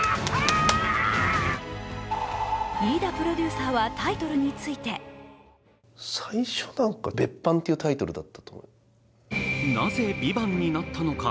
飯田プロデューサーはタイトルについてなぜ「ＶＩＶＡＮＴ」になったのか。